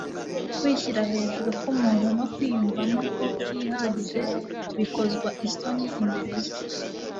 Ukwishyira hejuru k'umuntu no kwiyumvamo ko yihagije bikozwa isoni imbere Ye